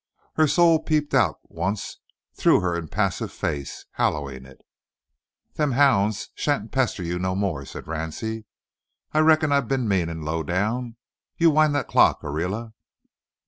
Her soul peeped out once through her impassive face, hallowing it. "Them hounds shan't pester you no more," said Ransie. "I reckon I been mean and low down. You wind that clock, Ariela."